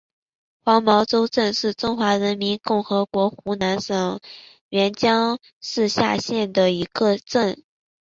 黄茅洲镇是中华人民共和国湖南省沅江市下辖的一个镇。